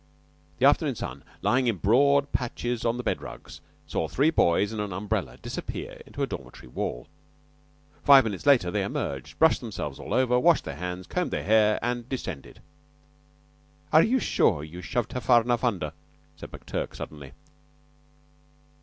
The afternoon sun, lying in broad patches on the bed rugs, saw three boys and an umbrella disappear into a dormitory wall. In five minutes they emerged, brushed themselves all over, washed their hands, combed their hair, and descended. "Are you sure you shoved her far enough under?" said McTurk suddenly.